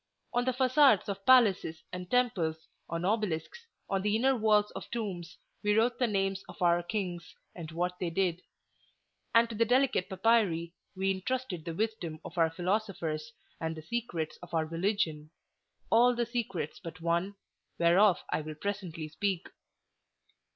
On the facades of palaces and temples, on obelisks, on the inner walls of tombs, we wrote the names of our kings, and what they did; and to the delicate papyri we intrusted the wisdom of our philosophers and the secrets of our religion—all the secrets but one, whereof I will presently speak.